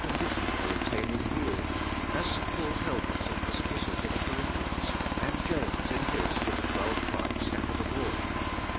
condition for obtaining healing, as Bt Paul tells na in bis Epistle to the Cor inthians, and James in his to the twelve tribes scattered abroad (I.